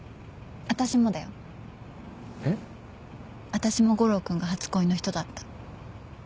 私も悟郎君が初恋の人だった。